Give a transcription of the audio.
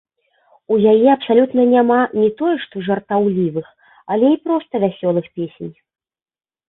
У яе абсалютна няма не тое што жартаўлівых, але і проста вясёлых песень.